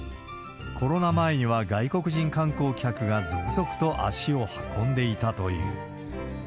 コロナ前には外国人観光客が続々と足を運んでいたという。